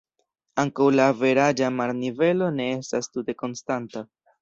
Ankaŭ la averaĝa marnivelo ne estas tute konstanta.